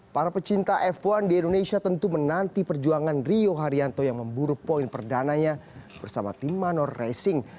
para pecinta f satu di indonesia tentu menanti perjuangan rio haryanto yang memburu poin perdananya bersama tim manor racing